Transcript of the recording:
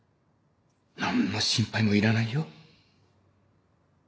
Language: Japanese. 何の心配もいらないよ。